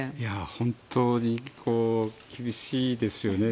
本当に厳しいですよね。